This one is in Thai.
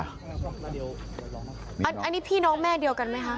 อันนี้พี่น้องแม่เดียวกันไหมคะ